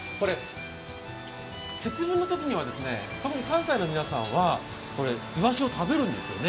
節分のときには関西の皆さんはイワシを食べるんですよね。